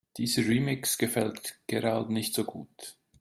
Dieser Remix gefällt Gerald nicht so gut.